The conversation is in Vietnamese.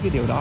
cái điều đó